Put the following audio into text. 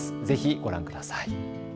ぜひご覧ください。